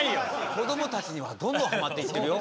こどもたちにはどんどんはまっていってるよ。